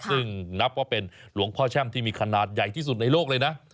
ซึ่งนับว่าเป็นหลวงพ่อแช่มที่มีขนาดใหญ่ที่สุดในโลกเลยนะ